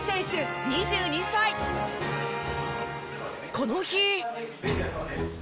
この日。